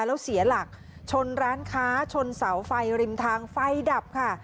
แล้วเสียหลักชนร้านค้าชนเสาไฟริมทางไฟดับค่ะ